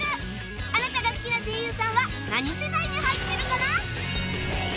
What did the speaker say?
あなたが好きな声優さんは何世代に入ってるかな？